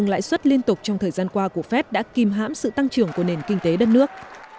lãi suất liên tục trong thời gian qua của fed đã kìm hãm sự tăng trưởng của nền kinh tế đất nước